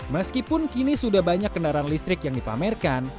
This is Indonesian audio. meskipun kini sudah banyak kendaraan listrik yang dipamerkan